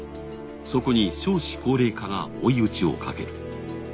そこに少子高齢化が追い打ちをかける。